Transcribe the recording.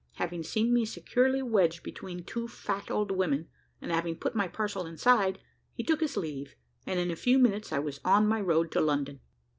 Having seen me securely wedged between two fat old women, and having put my parcel inside, he took his leave, and in a few minutes I was on my road to London.